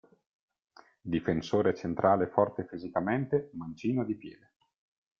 Difensore centrale forte fisicamente, mancino di piede.